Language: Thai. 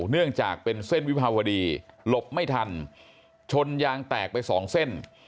เนื่องจากเป็นเส้นวิภาวดีหลบไม่ทันชนยางแตกไปสองเส้น